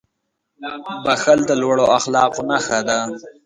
• بښل د لوړو اخلاقو نښه ده.